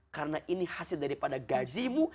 karena ini hasil daripada gajimu